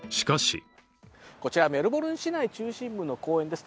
こちらメルボルン市内の公園です。